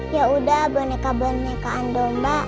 yaudah boneka bonekaan domba